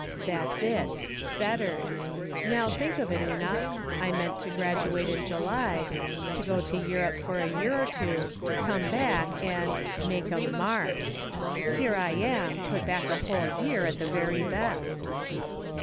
That's '\t— fettered. Now, think of it, Una. I mean't to graduate in July ; go to Europe for a, year or two ; come back and — make a marlt. Here I am, put back a whole year at the very best.